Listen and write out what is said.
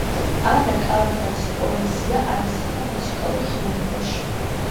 ანა კალანდაძის პოეზია აისახა მუსიკალურ ხელოვნებაში